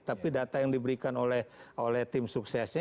tapi data yang diberikan oleh tim suksesnya